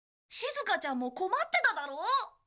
しずかちゃんも困ってただろ？